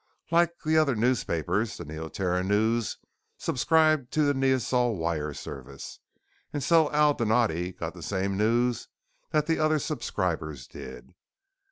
Like the other newspapers, the Neoterra News subscribed to the Neosol Wire Service, and so Al Donatti got the same news that the other subscribers did.